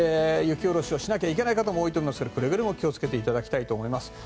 雪下ろしをしなきゃいけない方も多いと思いますがくれぐれも気をつけていただきたいと思います。